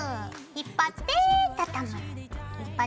引っ張って畳む。